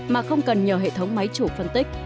mà không cần nhờ hệ thống máy chủ phân tích